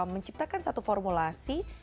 menciptakan satu formulasi